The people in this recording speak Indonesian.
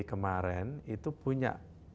kemarin itu punya